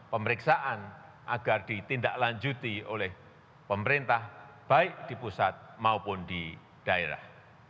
pemeriksaan agar ditindaklanjuti oleh pemerintah baik di pusat maupun di daerah